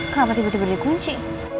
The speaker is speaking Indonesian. kenapa tiba tiba dikunci